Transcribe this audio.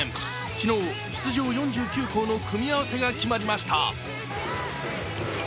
昨日、出場４９校の組み合わせが決まりました。